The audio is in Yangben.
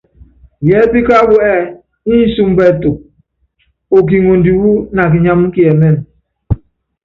Yɛɛpí kááwu ɛ́ɛ́ ínsúmbɔ ɛtú, okiŋondi wú nakinyámú kiɛmɛ́ɛmɛ.